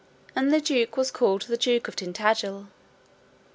And the duke was called the Duke of Tintagil.